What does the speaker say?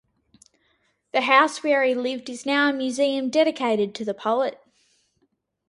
The house where he lived is now a museum dedicated to the poet.